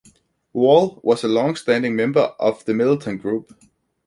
Wall was a long-standing member of the Militant group.